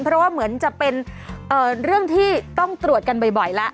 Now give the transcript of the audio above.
เพราะว่าเหมือนจะเป็นเรื่องที่ต้องตรวจกันบ่อยแล้ว